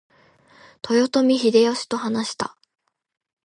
豊臣秀吉と話した。